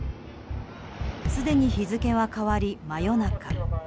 すでに日付は変わり、真夜中。